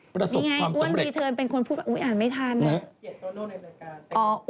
ตรงนั้นอ้านไม่ทันนะ